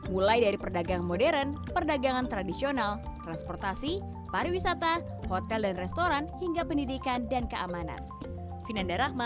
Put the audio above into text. mulai dari perdagangan modern perdagangan tradisional transportasi pariwisata hotel dan restoran hingga pendidikan dan keamanan